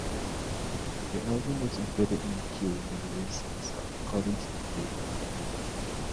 The album was included in "Q" magazine's list of recordings of the year.